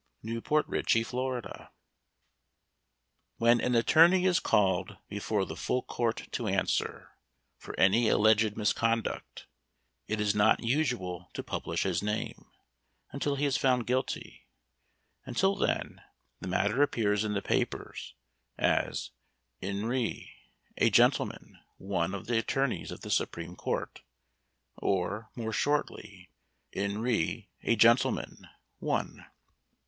"In Re a Gentleman, One" When an attorney is called before the Full Court to answer for any alleged misconduct it is not usual to publish his name until he is found guilty; until then the matter appears in the papers as "In re a Gentleman, One of the Attorneys of the Supreme Court", or, more shortly, "In re a Gentleman, One".